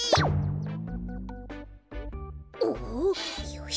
よし！